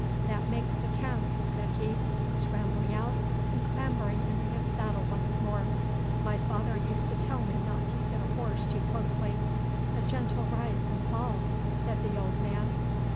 'That makes the tenth,' said he, scrambling out and clambering into his saddle once more. 'My father used to tell me not to sit a horse too closely. "A gentle rise and fall," said the old man.